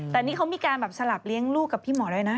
แต่นี่เขามีการแบบสลับเลี้ยงลูกกับพี่หมอด้วยนะ